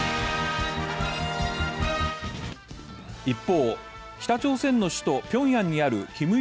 一方、北朝鮮の首都・ピョンヤンにある金日